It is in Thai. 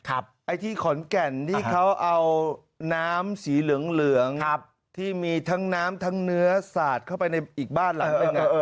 ไอ้ที่ขอนแก่นที่เขาเอาน้ำสีเหลืองที่มีทั้งน้ำทั้งเนื้อสาดเข้าไปในอีกบ้านหลังหนึ่ง